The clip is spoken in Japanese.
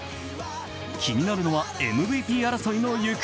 気になるのはＭＶＰ争いの行方。